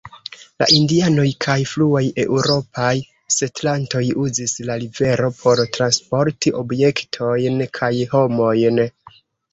La Indianoj kaj fruaj eŭropaj setlantoj uzis la rivero por transporti objektojn kaj homojn.